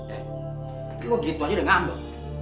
eh lo gitu aja denger